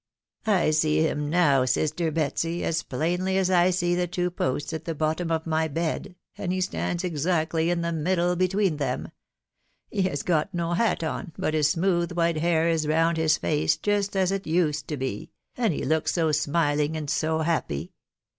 I see him now, sister Betsy, as plainly as I see the two posts at the bottom of my bed, and he stands exactly in the middle between them ; he has got no hat on, but his smooth white hair is round his face just as it used to be, and he looks so smiling and so happy.